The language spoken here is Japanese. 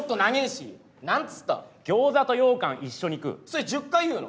それ１０回言うの？